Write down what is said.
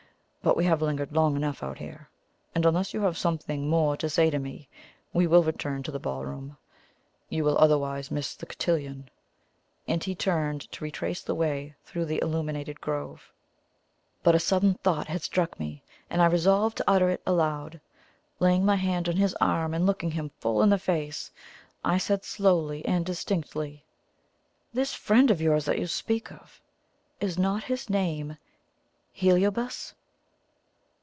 But we have lingered long enough out here, and unless you have something more to say to me, we will return to the ballroom. You will otherwise miss the cotillon;" and he turned to retrace the way through the illuminated grove. But a sudden thought had struck me, and I resolved to utter it aloud. Laying my hand on his arm and looking him full in the face, I said slowly and distinctly: "This friend of yours that you speak of is not his name HELIOBAS?"